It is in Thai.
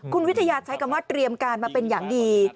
คุณวิทยาใช้คำว่าเตรียมการมาเป็นอย่างดี